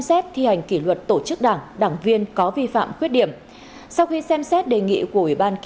xin chào quý vị và các bạn